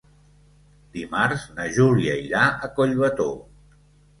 Dimarts na Júlia irà a Collbató.